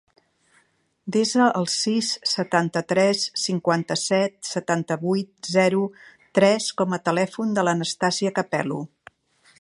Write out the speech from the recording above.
Desa el sis, setanta-tres, cinquanta-set, setanta-vuit, zero, tres com a telèfon de l'Anastàsia Capelo.